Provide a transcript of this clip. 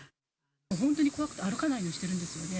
本当に怖くて歩かないようにしてるんですよね。